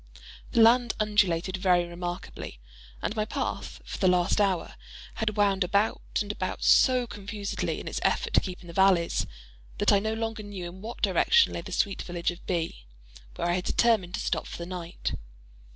The land undulated very remarkably; and my path, for the last hour, had wound about and about so confusedly, in its effort to keep in the valleys, that I no longer knew in what direction lay the sweet village of B——, where I had determined to stop for the night.